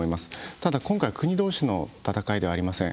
ただ、今回、国同士の戦いではありません。